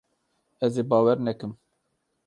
Ez ê bawer nekim.